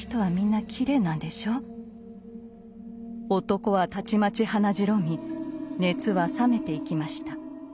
男はたちまち鼻白み熱は冷めていきました。